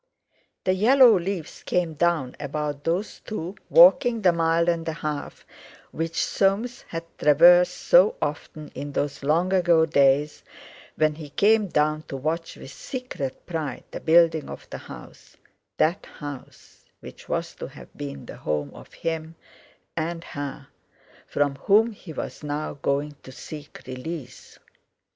The yellow leaves came down about those two walking the mile and a half which Soames had traversed so often in those long ago days when he came down to watch with secret pride the building of the house—that house which was to have been the home of him and her from whom he was now going to seek release.